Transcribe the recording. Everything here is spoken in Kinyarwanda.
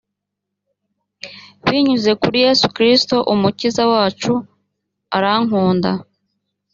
binyuze kuri yesu kristo umukiza wacu arankunda